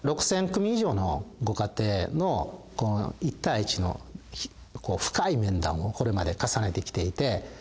６，０００組以上のご家庭の一対一の深い面談をこれまで重ねてきていて。